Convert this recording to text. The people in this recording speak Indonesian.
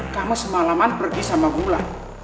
kamu semalaman pergi sama gula